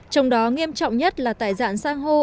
trong đó nghiêm trọng nhất là tại dạng san hô